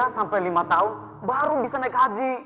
lima sampai lima tahun baru bisa naik haji